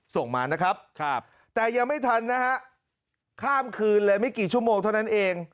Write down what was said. ส่งมาแต่ยังไม่ทันข้ามคืนไม่กี่ชั่วโมงเดี๋ยวหน่อย